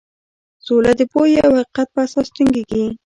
سوله د پوهې او حقیقت په اساس ټینګیږي.